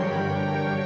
dan orang lain